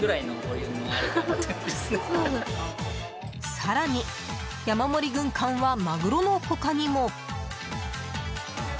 更に、山盛り軍艦はマグロの他にも。